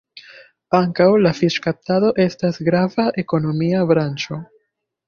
Ankaŭ la fiŝkaptado estas grava ekonomia branĉo.